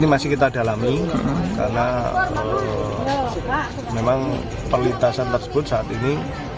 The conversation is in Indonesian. masih kita dalami karena memang perlintasan tersebut saat ini